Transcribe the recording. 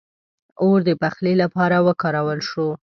• اور د پخلي لپاره وکارول شو.